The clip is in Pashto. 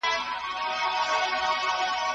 تاسو د خپلو رسنیو د محتوا کیفیت ته پام وکړئ.